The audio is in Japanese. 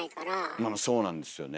まあまあそうなんですよね。